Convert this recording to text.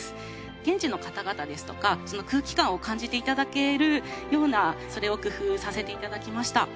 現地の方々ですとかその空気感を感じていただけるようなそれを工夫させていただきました。